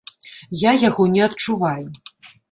Я яго не адчуваю.